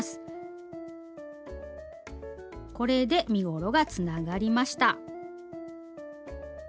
これで身ごろがつながりました。